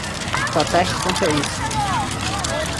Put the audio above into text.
Protesto contra isso!